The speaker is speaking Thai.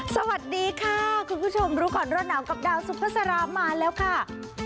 สวัสดีค่ะคุณผู้ชมรู้ก่อนร้อนหนาวกับดาวซุภาษามาแล้วค่ะ